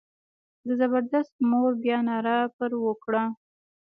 د زبردست مور بیا ناره پر وکړه.